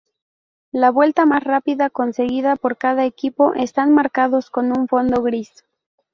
La vuelta más rápida conseguida por cada equipo están marcados con un fondo gris.